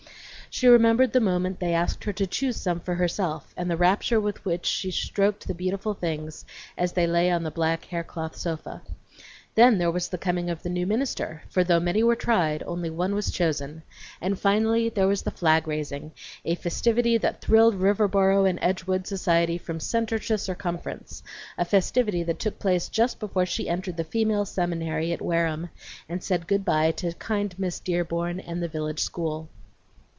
She remembered the moment they asked her to choose some for herself, and the rapture with which she stroked the beautiful things as they lay on the black haircloth sofa. Then there was the coming of the new minister, for though many were tried only one was chosen; and finally there was the flag raising, a festivity that thrilled Riverboro and Edgewood society from centre to circumference, a festivity that took place just before she entered the Female Seminary at Wareham and said good by to kind Miss Dearborn and the village school.